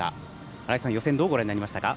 新井さん、予選をどうご覧になりましたか。